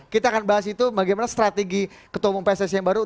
kita akan bahas itu bagaimana strategi ketua umum pssi yang baru